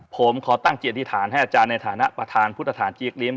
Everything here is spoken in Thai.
ผมขอตั้งจิตอธิษฐานให้อาจารย์ในฐานะประธานพุทธฐานจี๊กลิ้ม